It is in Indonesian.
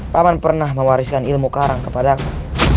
paman pernah mewariskan ilmu karang kepada aku